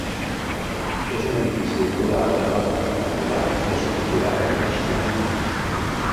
És un edifici rural de planta rectangular i estructurat en tres crugies.